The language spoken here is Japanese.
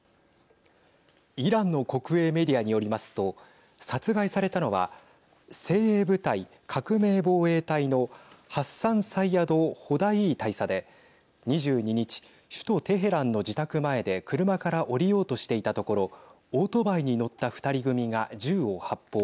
イランの国営メディアによりますと殺害されたのは精鋭部隊、革命防衛隊のハッサンサイヤド・ホダイー大佐で２２日、首都テヘランの自宅前で車から降りようとしていたところオートバイに乗った２人組が銃を発砲。